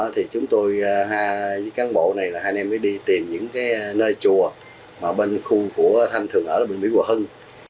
thì chúng tôi với cán bộ này là hai em mới đi tìm những cái nơi chùa mà bên khu của thanh thường ở là bên mỹ hồ hưng